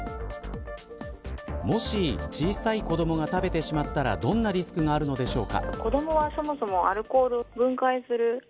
もし、小さい子どもが食べてしまったらどんなリスクがあるのでしょうか。